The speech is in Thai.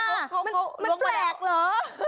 มันแปลกเหรอ